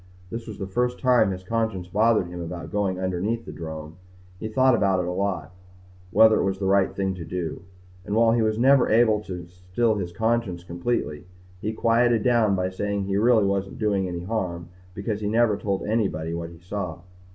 This was the first time his conscience bothered him about going underneath the drome. He thought about it a lot whether it was the right thing to do. And while he was never able to still his conscience completely, he quieted down by saying he really wasn't doing any harm because he'd never told anybody what he saw.